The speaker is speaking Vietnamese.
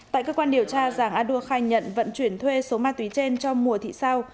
tại cơ quan điều tra giàng a đua khai nhận vận chuyển thuê số ma túy trên cho mùa thị sao